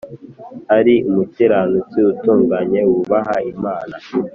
ari umukiranutsi utunganye, wubaha Imana